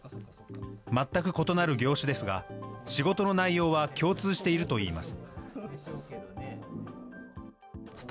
全く異なる業種ですが、仕事の内容は共通しているといいます。